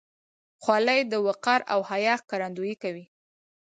خولۍ د وقار او حیا ښکارندویي کوي.